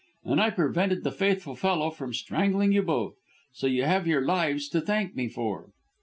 And I prevented the faithful fellow from strangling you both, so you have your lives to thank me for."